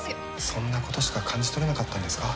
そんなことしか感じ取れなかったんですか。